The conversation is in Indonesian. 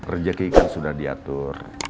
rezeki kan sudah diatur